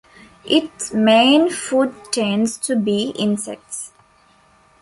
Its main food tends to be insects.